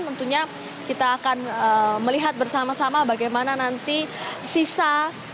tentunya kita akan melihat bersama sama bagaimana nanti sisa